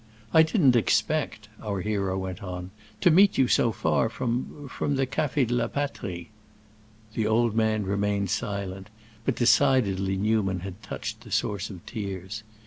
"I didn't expect," our hero went on, "to meet you so far from—from the Café de la Patrie." The old man remained silent, but decidedly Newman had touched the source of tears.